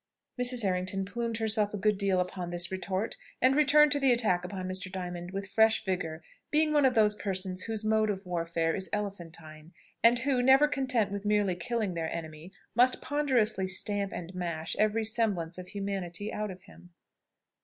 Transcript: Mrs. Errington plumed herself a good deal upon this retort, and returned to the attack upon Mr. Diamond with fresh vigour; being one of those persons whose mode of warfare is elephantine, and who, never content with merely killing their enemy, must ponderously stamp and mash every semblance of humanity out of him.